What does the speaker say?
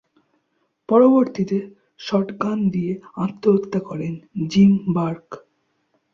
পরবর্তীতে শটগান দিয়ে আত্মহত্যা করেন জিম বার্ক।